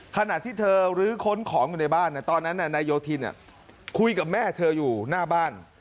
ขณะที่เธอลื้อค้นของอยู่ในบ้านตอนนั้นนายโยธินคุยกับแม่เธออยู่หน้าบ้าน